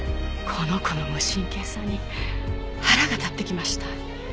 この子の無神経さに腹が立ってきました。